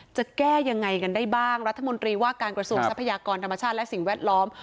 จะแก้ยังไงกันได้บ้างรัฐมนตรีว่าการกระทรวงทรัพยากรธรรมชาติและสิ่งแวดล้อม